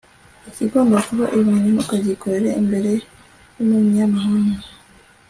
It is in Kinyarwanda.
ikigomba kuba ibanga ntukagikorere imbere y'umunyamahanga